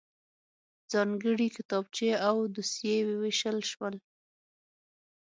ځانګړی کتابچې او دوسيې وویشل شول.